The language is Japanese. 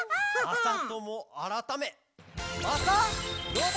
まさともあらためうわ！